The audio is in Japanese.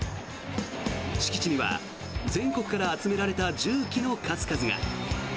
敷地には全国から集められた重機の数々が。